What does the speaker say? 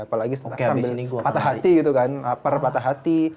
apalagi sambil patah hati gitu kan lapar patah hati